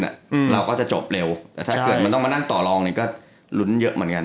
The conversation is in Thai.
เราก็จะจบเร็วแต่ถ้าเกิดมันต้องมานั่งต่อรองเนี่ยก็ลุ้นเยอะเหมือนกัน